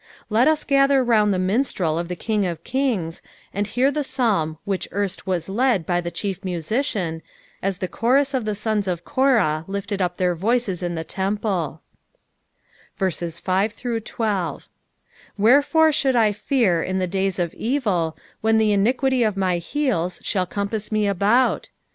Let us gather round the minstrel of the King of kings, and hear the Psalm which erst was led by the chief musician, as the chorus of the sons of Eorata lifted up their voices in the temple, 5 Wherefore should I fear in the days of evil, when the iniquity of my heels shall compass me about